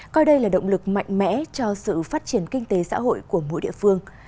coi đây là động lực mạnh mẽ cho sự phát triển kinh tế xã hội của mỗi địa phương